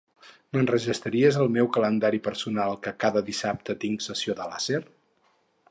M'enregistraries al meu calendari personal que cada dissabte tinc sessió de làser.